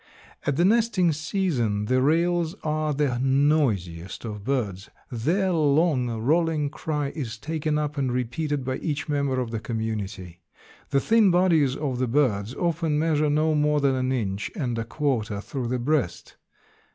At the nesting season the rails are the noisiest of birds; their long, rolling cry is taken up and repeated by each member of the community. The thin bodies of the birds often measure no more than an inch and a quarter through the breast.